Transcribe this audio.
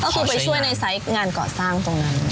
ก็คือไปช่วยในไซส์งานก่อสร้างตรงนั้น